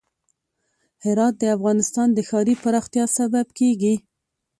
هرات د افغانستان د ښاري پراختیا سبب کېږي.